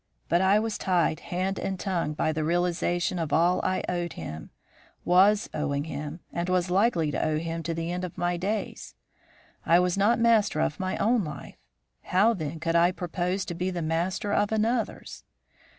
But I was tied hand and tongue by the realisation of all I owed him, was owing him, and was likely to owe him to the end of my days. I was not master of my own life; how, then, could I propose to be the master of another's?